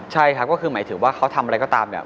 ใช่ครับก็คือหมายถึงว่าเขาทำอะไรก็ตามเนี่ย